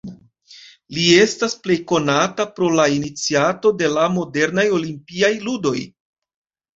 Li estas plej konata pro la iniciato de la modernaj Olimpiaj ludoj.